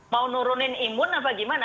mau nurunin imun apa gimana